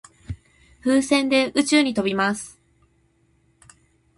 風船で宇宙に飛びます。